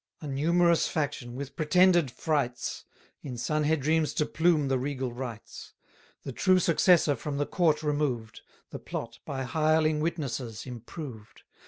A numerous faction, with pretended frights, In Sanhedrims to plume the regal rights; 920 The true successor from the court removed; The plot, by hireling witnesses, improved.